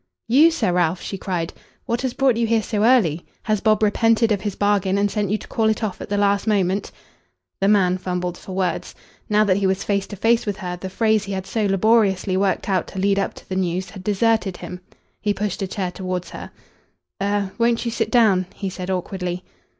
"You, Sir Ralph?" she cried. "What has brought you here so early? Has Bob repented of his bargain and sent you to call it off at the last moment?" The man fumbled for words. Now that he was face to face with her the phrase he had so laboriously worked out to lead up to the news had deserted him. He pushed a chair towards her. "Er won't you sit down?" he said awkwardly.